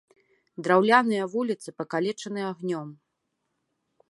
Драўляныя вуліцы пакалечаны агнём.